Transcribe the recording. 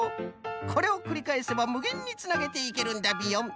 これをくりかえせばむげんにつなげていけるんだビヨン。